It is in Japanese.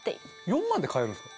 ４万で買えるんですか？